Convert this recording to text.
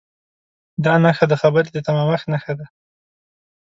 دا نښه د خبرې د تمامښت نښه ده.